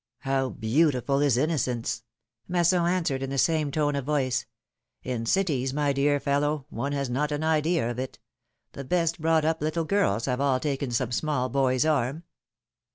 ^^How beautiful is innocence Masson answered in the same tone of voice. In cities, my dear fellow, one has not an idea of it ! The best brought up little girls have all taken some small boy^s arm